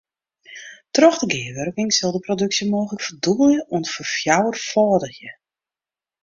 Troch de gearwurking sil de produksje mooglik ferdûbelje oant ferfjouwerfâldigje.